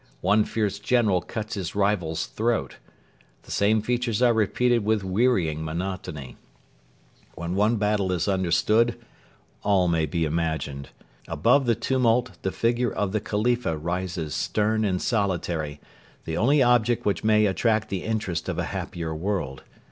One fierce general cuts his rival's throat. The same features are repeated with wearying monotony. When one battle is understood, all may be imagined. Above the tumult the figure of the Khalifa rises stern and solitary, the only object which may attract the interest of a happier world.